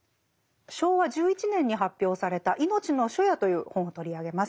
昭和１１年に発表された「いのちの初夜」という本を取り上げます。